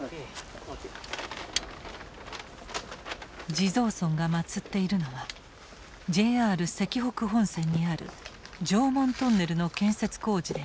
地蔵尊が祀っているのはＪＲ石北本線にある常紋トンネルの建設工事で亡くなった殉難者。